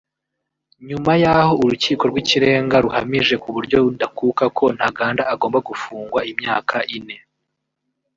nyuma y’aho Urukiko rw’Ikirenga ruhamije ku buryo ndakuka ko Ntaganda agomba gufungwa imyaka ine